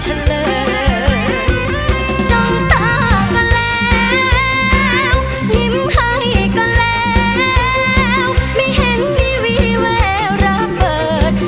จ้องตาก็แล้วยิ้มให้ก็แล้วไม่เห็นมีวีแววระเบิด